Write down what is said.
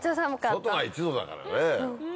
外が１℃だからね。